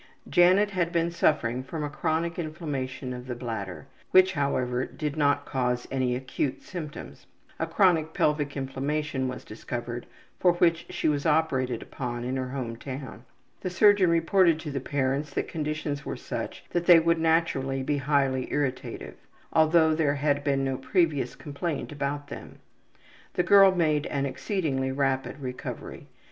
Janet had been suffering from a chronic inflammation of the bladder, which, however, did not cause any acute symptoms. A chronic pelvic inflammation was discovered, for which she was operated upon in her home town. The surgeon reported to the parents that conditions were such that they would naturally be highly irritative, although there had been no previous complaint about them. The girl made an exceedingly rapid recovery.